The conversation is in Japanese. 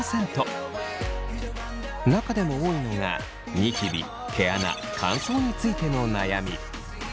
中でも多いのがニキビ毛穴乾燥についての悩み。